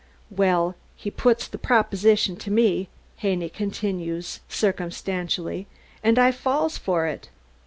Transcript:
"Well, he puts the proposition to me," Haney continued circumstantially, "an' I falls for it.